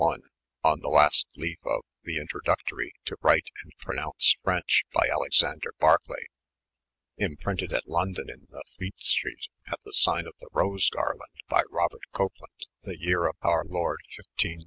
371, on the last leaf of ' The Introductory to wryte and pronounce Frenche' by Alexander Barcley, 'Im prynted at London in the Fletestreto at the sygne of the Rose Garlande by Robert copltoide, the yere of our lorde M.